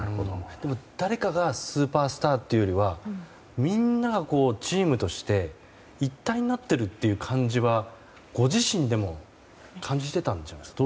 でも誰かがスーパースターというよりはみんながチームとして一体になっている感じはご自身でも感じていたんじゃないですか？